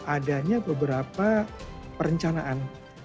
adanya beberapa perencanaan